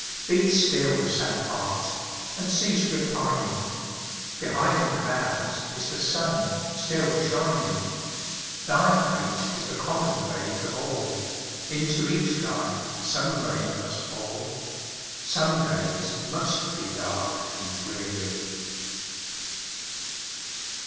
Be still, sad heart! and cease repining; Behind the clouds is the sun still shining; Thy fate is the common fate of all, Into each life some rain must fall, Some days must be dark and dreary.